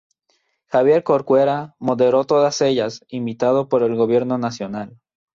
Javier Corcuera moderó todas ellas, invitado por el gobierno nacional.